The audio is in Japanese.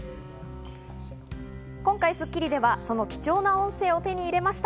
今回『スッキリ』ではその貴重な音声を手に入れました。